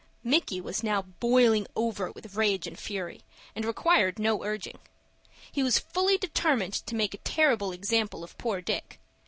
Micky was now boiling over with rage and fury, and required no urging. He was fully determined to make a terrible example of poor Dick.